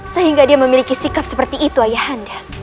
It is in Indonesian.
sehingga dia memiliki sikap seperti itu ayahanda